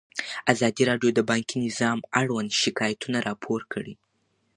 ازادي راډیو د بانکي نظام اړوند شکایتونه راپور کړي.